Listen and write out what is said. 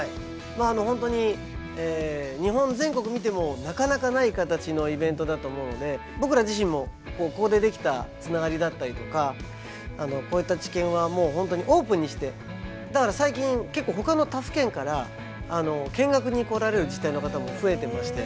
本当に日本全国見てもなかなかない形のイベントだと思うので僕ら自身もここで出来たつながりだったりとかこういった知見は本当にオープンにしてだから最近結構ほかの他府県から見学に来られる自治体の方も増えてまして。